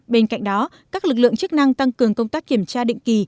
bên cạnh đó các lực lượng chức năng tăng cường công tác kiểm tra định kỳ